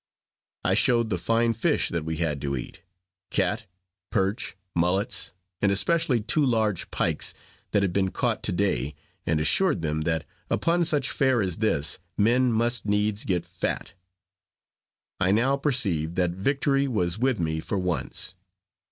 I showed the fine fish that we had to eat; cat, perch, mullets, and especially two large pikes, that had been caught to day, and assured them that upon such fare as this, men must needs get fat. I now perceived that victory was with me for once.